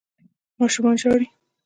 ماشومان ژاړي